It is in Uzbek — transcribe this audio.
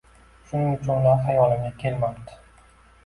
Shuning uchun ular xayolimga kelmabti